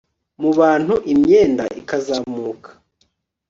mu bantu imyenda ikazamuka